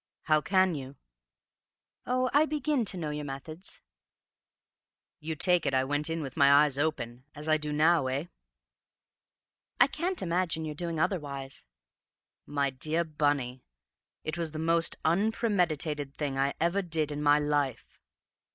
"How can you?" "Oh, I begin to know your methods." "You take it I went in with my eyes open, as I do now, eh?" "I can't imagine your doing otherwise." "My dear Bunny, it was the most unpremeditated thing I ever did in my life!"